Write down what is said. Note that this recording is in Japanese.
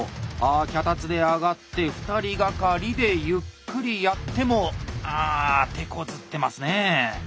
あ脚立で上がって２人がかりでゆっくりやってもああ手こずってますね。